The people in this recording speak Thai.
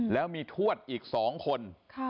แล้วมีทวดอีก๒คน